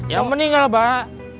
yang meninggal pak